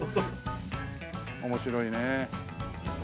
面白いねえ。